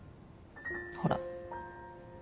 ほら。